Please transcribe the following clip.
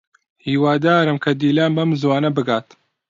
هیوادارم کە دیلان بەم زووانە بگات.